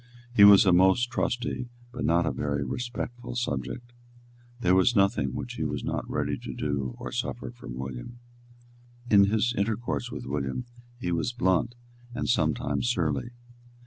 He was a most trusty, but not a very respectful, subject. There was nothing which he was not ready to do or suffer for William. But in his intercourse with William he was blunt and sometimes surly.